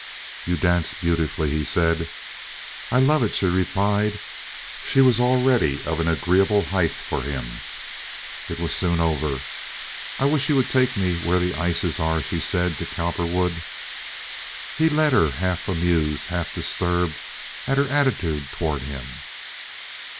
"You dance beautifully," he said. "I love it," she replied. She was already of an agreeable height for him. It was soon over. "I wish you would take me where the ices are," she said to Cowperwood. He led her, half amused, half disturbed at her attitude toward him.